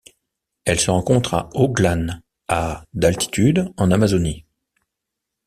Elle se rencontre à Oglán à d'altitude en Amazonie.